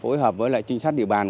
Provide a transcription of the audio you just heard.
phối hợp với lại trinh sát địa bàn